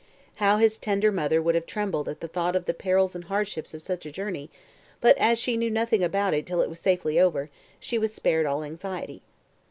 How his tender mother would have trembled at the thought of the perils and hardships of such a journey but as she knew nothing about it till it was safely over, she was spared all anxiety.